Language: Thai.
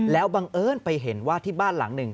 แล้วบังเอิญไปเห็นว่าที่บ้านหลังหนึ่ง